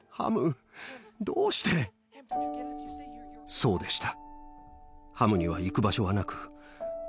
そうでした。